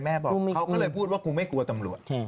บอกเขาก็เลยพูดว่ากูไม่กลัวตำรวจ